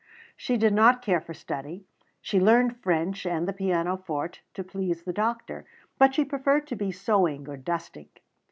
She did not care for study. She learned French and the pianoforte to please the doctor; but she preferred to be sewing or dusting.